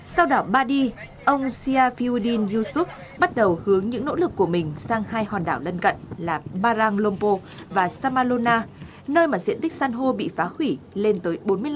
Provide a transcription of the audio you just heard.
sau đảo badi ông syafiuddin yusuf bắt đầu hướng những nỗ lực của mình sang hai hòn đảo lân cận là barang lompo và samalona nơi mà diện tích săn hô bị phá hủy lên tới bốn mươi năm m hai